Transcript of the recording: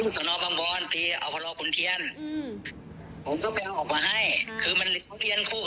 ยุ่งต้องก้มไปหน้านะเพราะว่าเขาผมเรียกเขามาเรืออาทิตย์หนึ่ง